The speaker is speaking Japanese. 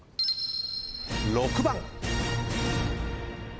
６番。